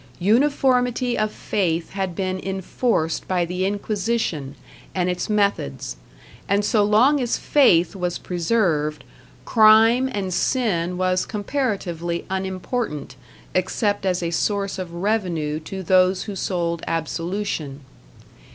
Uniformity of faith had been enforced by the Inquisition and its methods, and so long as faith was preserved, crime and sin was comparatively unimportant except as a source of revenue to those who sold absolution.